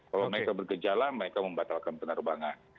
kalau mereka bergejala mereka membatalkan penerbangan